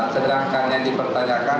sedangkan yang dipertanyakan